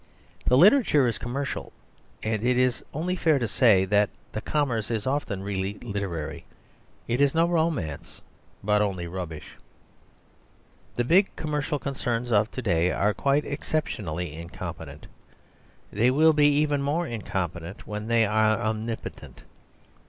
The literature is commercial; and it is only fair to say that the commerce is often really literary. It is no romance, but only rubbish. The big commercial concerns of to day are quite exceptionally incompetent. They will be even more incompetent when they are omnipotent.